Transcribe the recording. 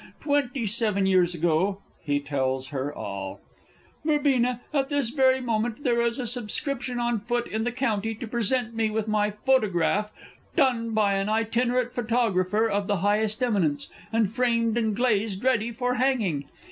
Twenty seven years ago (he tells her all). Verbena, at this very moment, there is a subscription on foot in the county to present me with my photograph, done by an itinerant photographer of the highest eminence, and framed and glazed ready for hanging.